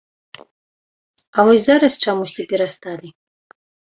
А вось зараз, чамусьці, перасталі.